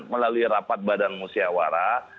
melalui rapat badan musyawarah